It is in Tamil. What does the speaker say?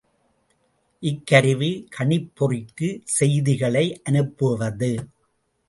இக்கருவி கணிப்பொறிக்கு செய்திகளை அனுப்புவது.